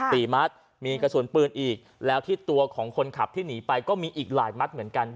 สี่มัดมีกระสุนปืนอีกแล้วที่ตัวของคนขับที่หนีไปก็มีอีกหลายมัดเหมือนกัน